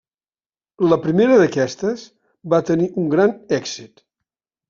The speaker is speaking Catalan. La primera d'aquestes, va tenir un gran èxit.